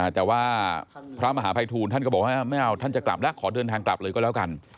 แต่ว่าพระมหาภัยทูลท่านก็บอกว่าไม่เอาท่านจะกลับแล้วขอเดินทางกลับเลยก็แล้วกัน